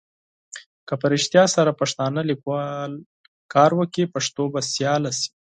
که په رېښتیا سره پښتانه لیکوال کار وکړي پښتو به سیاله سي.